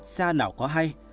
xa nào có hay